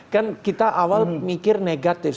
kan kita awal mikir negatif